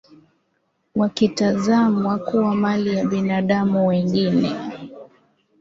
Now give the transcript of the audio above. wakitazamwa kuwa mali ya binadamu wengine